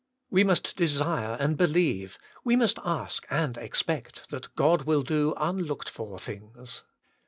"We must desire and believe, we must a&jk and expect, that God will do unlooked for things.